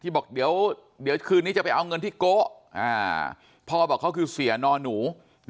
บอกเดี๋ยวคืนนี้จะไปเอาเงินที่โกะพ่อบอกเขาคือเสียนอนหนู